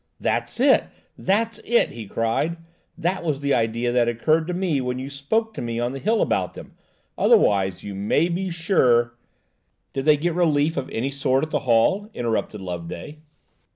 "That's it!" he cried excitedly; "that was the idea that occurred to me when you spoke to me on the hill about them, otherwise you may be sure—" "Did they get relief of any sort at the Hall?" interrupted Loveday..